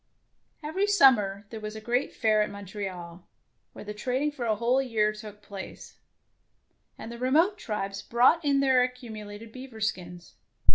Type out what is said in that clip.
Every summer there was a great Fair at Montreal, where the trading for a whole year took place, and the re mote tribes brought in their accumu lated beaver skins.